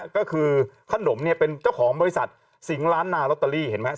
ก็คือขนมเนี่ยเป็นเจ้าของบริษัทสิงห์ล้านนาลอตเตอรี่เห็นไหม